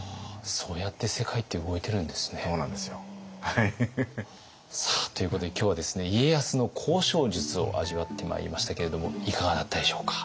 そうなんですよ。ということで今日は家康の交渉術を味わってまいりましたけれどもいかがだったでしょうか？